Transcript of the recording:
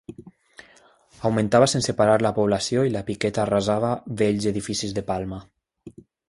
Augmentava sense parar la població i la piqueta arrasava vells edificis de Palma.